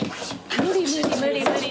無理無理無理無理。